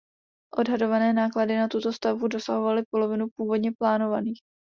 Odhadované náklady na tuto stavbu dosahovaly polovinu původně plánovaných.